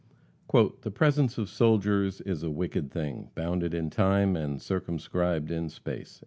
BLOODY WAR. "The presence of soldiers is a wicked thing, Bounded in time and circumscribed in space."